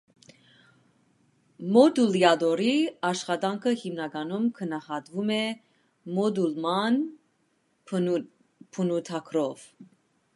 Մոդուլյատորի աշխատանքը հիմնականում գնահատվում է մոդուլման բնութագրով։